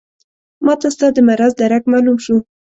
ماته ستا د مرض درک معلوم شو.